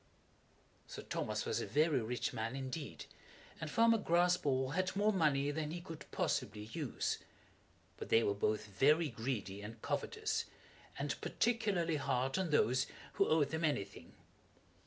Sir Thomas was a very rich man indeed, and Farmer Graspall had more money than he could possibly use. But they were both very greedy and covetous, and particularly hard on those who owed them anything.